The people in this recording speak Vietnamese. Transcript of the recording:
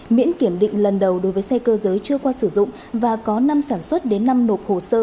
miễn kiểm định lần đầu đối với xe cơ giới chưa qua sử dụng và có năm sản xuất đến năm nộp hồ sơ